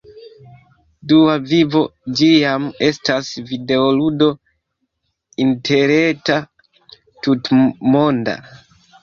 Dua Vivo, ĝi jam estas videoludo interreta, tutmonda